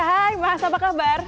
hai mas apa kabar